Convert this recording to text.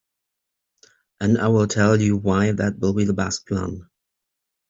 And I'll tell you why that will be the best plan.